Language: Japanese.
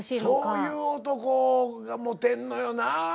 そういう男がモテんのよな。